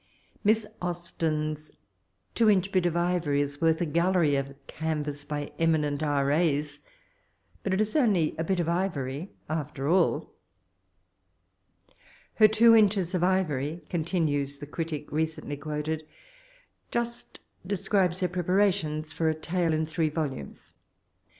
Miss Austen's two inch bit of ivor^ is worth a gallery of canvass by emi nent RA.'b, but it is only a bit of ivory after all. '* Her two inches of ivory," continues the critic re* oently quoted, *'ju8t describes her preparations (br a tale in three vol umes.